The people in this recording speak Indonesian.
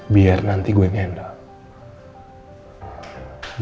biar nanti gue ngendal